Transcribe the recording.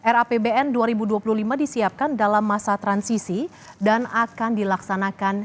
rapbn dua ribu dua puluh lima disiapkan dalam masa transisi dan akan dilaksanakan